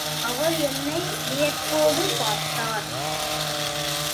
அவர் என்னை வியப்போடு பார்த்தார்.